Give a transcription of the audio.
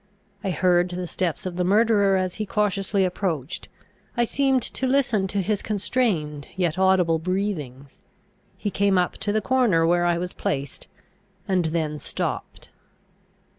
I heard the steps of the murderer as he cautiously approached. I seemed to listen to his constrained yet audible breathings. He came up to the corner where I was placed, and then stopped.